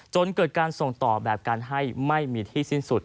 จนเกิดการส่งต่อแบบการให้ไม่มีที่สิ้นสุด